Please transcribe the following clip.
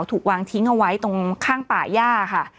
ถูกวางทิ้งเอาไว้ตรงข้างป่าย่าค่ะ